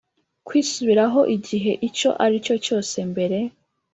kwisubiraho igihe icyo ari cyo cyose mbere